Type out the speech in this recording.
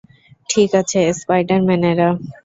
ঠিক আছে, স্পাইডার-ম্যানেরা।